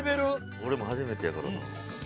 俺も初めてやからな。